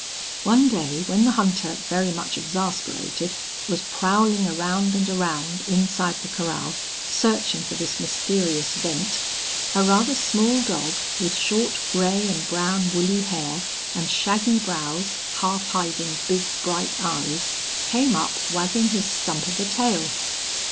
One day when the hunter, very much exasperated, was prowling around and around inside the corral, searching for this mysterious vent, a rather small dog, with short gray and brown woolly hair, and shaggy brows half hiding big, bright eyes, came up wagging his stump of a tail.